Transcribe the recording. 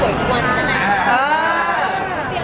ไม่ได้เจอในคุณหรอก